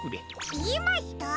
いいました。